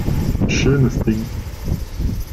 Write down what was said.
Schönes Ding!